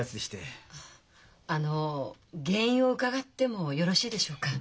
あの原因を伺ってもよろしいでしょうか？